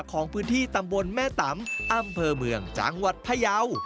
ของพื้นที่ตำบลแม่ตำอำเภอเมืองจังหวัดพยาว